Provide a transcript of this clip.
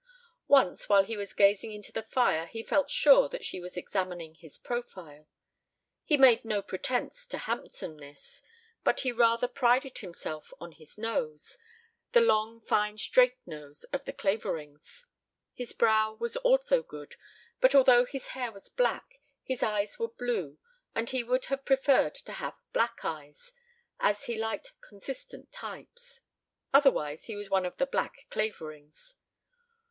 Once while he was gazing into the fire he felt sure that she was examining his profile. He made no pretensions to handsomeness, but he rather prided himself on his nose, the long fine straight nose of the Claverings. His brow was also good, but although his hair was black, his eyes were blue, and he would have preferred to have black eyes, as he liked consistent types. Otherwise he was one of the "black Claverings."